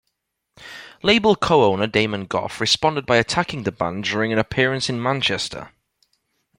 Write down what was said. Label co-owner Damon Gough responded by attacking the band during an appearance in Manchester.